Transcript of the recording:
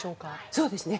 そうですね。